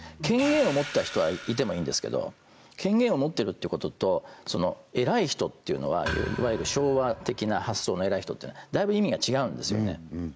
権限を持った人はいてもいいんですけど権限を持ってるっていうことと偉い人っていうのはいわゆる昭和的な発想の偉い人というのはだいぶ意味が違うんですよね